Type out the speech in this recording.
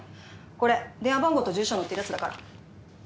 これ電話番号と住所載ってるやつだから。